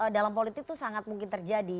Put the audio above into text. dalam politik itu sangat mungkin terjadi